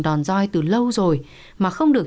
đòn doi từ lâu rồi mà không được